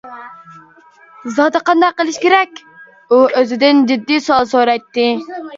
«زادى قانداق قىلىش كېرەك؟ » ئۇ ئۆزىدىن جىددىي سوئال سورايتتى.